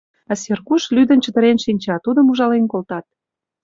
А Сергуш лӱдын-чытырен шинча: тудым ужален колтат.